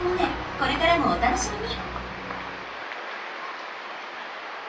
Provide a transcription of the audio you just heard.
これからもお楽しみに！